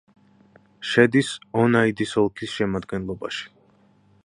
შედის ონაიდის ოლქის შემადგენლობაში.